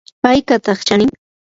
¿aykataq chanin?